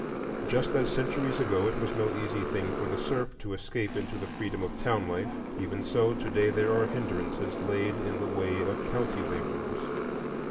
Just as centuries ago it was no easy thing for the serf to escape into the freedom of town life, even so to day there are hindrances laid in the way of county laborers.